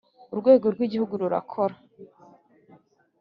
Urwego rw’ Igihugu rurakora